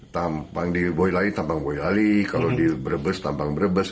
tampang di boyolali tampang boyolali kalau di brebes tampang brebes